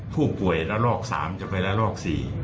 ผู้ป่วยระลอก๓จะไปละลอก๔